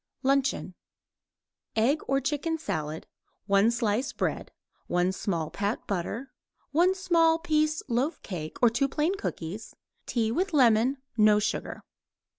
LUNCHEON Egg or chicken salad; 1 slice bread; 1 small pat butter; 1 small piece loaf cake, or 2 plain cookies; tea with lemon, no sugar.